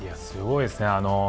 すごいですね。